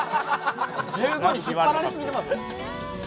１５に引っ張られすぎてますよ。